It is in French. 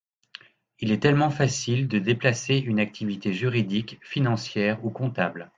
Il est tellement facile de déplacer une activité juridique, financière ou comptable.